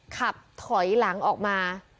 ขับถอยหลังออกมา